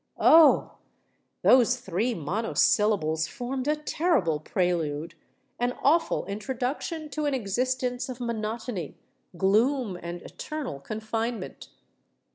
_ Oh! those three monosyllables formed a terrible prelude—an awful introduction to an existence of monotony, gloom, and eternal confinement!